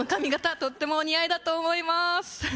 とってもお似合いだと思います